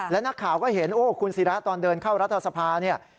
และนักข่าวก็เห็นโอ้คุณศิราตอนเดินเข้ารัฐสภาเนี่ย